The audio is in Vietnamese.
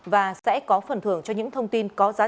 và sẽ có phần thưởng cho những thông tin có giá trị